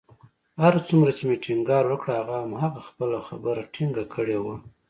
هر څومره چې مې ټينګار وکړ، هغه همهغه خپله خبره ټینګه کړې وه